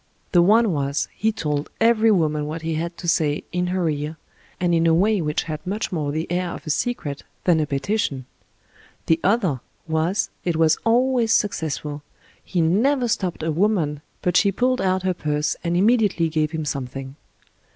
The one was, he told every woman what he had to say in her ear, and in a way which had much more the air of a secret than a petition ; the other was, it was always successful — he never stopped a woman but she pulled out her purse and immediately gave him something.